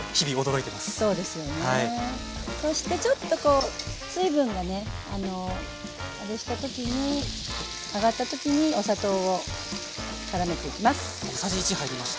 そしてちょっとこう水分がね上がった時にお砂糖をからめていきます。